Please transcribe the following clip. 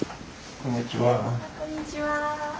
こんにちは。